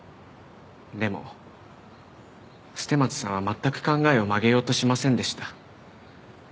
でも捨松さんは全く考えを曲げようとしませんでした。